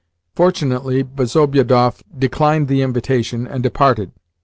Fortunately, Bezobiedoff declined the invitation, and departed.